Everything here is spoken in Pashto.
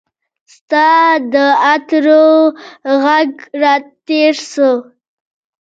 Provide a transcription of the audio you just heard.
ستا د عطرو ږغ راتیر سو